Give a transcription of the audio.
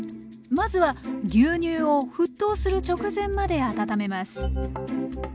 まずは牛乳を沸騰する直前まで温めます。